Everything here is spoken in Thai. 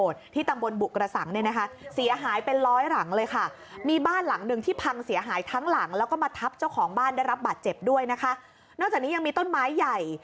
ได้รับบาดเจ็บด้วยนะคะนอกจากนี้ยังมีต้นไม้ใหญ่